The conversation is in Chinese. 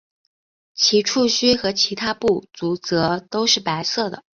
其触须和其他步足则都是白色的。